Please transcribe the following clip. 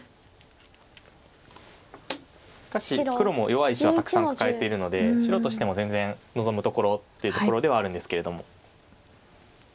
弱い石はたくさん抱えてるので白としても全然望むところっていうところではあるんですけれども。